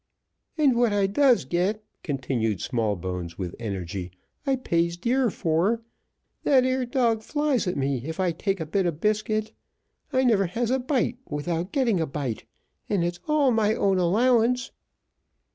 "And what I does get," continued Smallbones, with energy, "I pays dear for; that ere dog flies at me, if I takes a bit o' biscuit. I never has a bite without getting a bite, and it's all my own allowance."